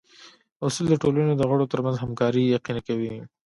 اصول د ټولنې د غړو ترمنځ همکاري یقیني کوي.